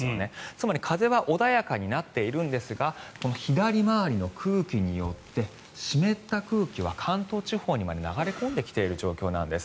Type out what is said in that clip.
つまり風は穏やかになっているんですが左回りの空気によって湿った空気は関東地方にまで流れ込んできている状況なんです。